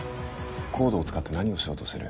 ＣＯＤＥを使って何をしようとしてる？